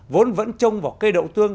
vốn vẫn trông vào cây đậu tương